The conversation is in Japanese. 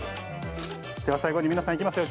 では最後に皆さん、いきますよ。